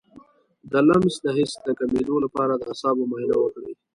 د لمس د حس د کمیدو لپاره د اعصابو معاینه وکړئ